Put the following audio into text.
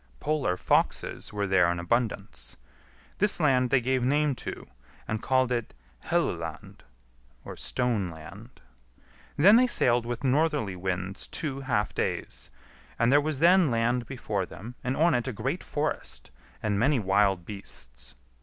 Polar foxes were there in abundance. This land they gave name to, and called it Helluland (stone land). Then they sailed with northerly winds two half days, and there was then land before them, and on it a great forest and many wild beasts.